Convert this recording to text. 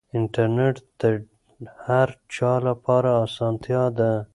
انټرنیټ د هر چا لپاره اسانتیا ده.